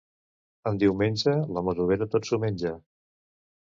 En diumenge, la masovera tot s'ho menja.